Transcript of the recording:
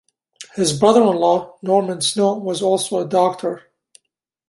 His brother-in-law, Norman Snow, was also a doctor.